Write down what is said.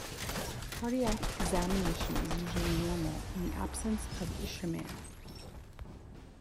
Cardiac examination is usually normal in the absence of ischemia.